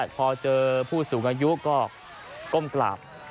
พอเจอผู้สูงอายุก็ก้มกราบ